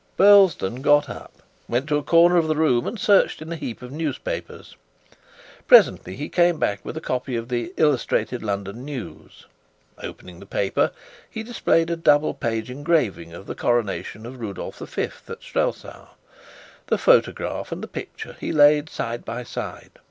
Burlesdon got up, went to a corner of the room, and searched in a heap of newspapers. Presently he came back with a copy of the Illustrated London News. Opening the paper, he displayed a double page engraving of the Coronation of Rudolf V at Strelsau. The photograph and the picture he laid side by side.